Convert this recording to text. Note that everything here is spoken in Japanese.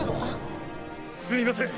すみません！